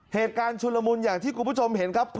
เหตุการณ์ชุลมุนอย่างที่กลุ่มผู้ชมเห็นครับ